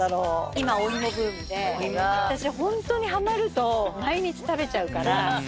今、お芋ブームで、私、本当にはまると、毎日食べちゃうから。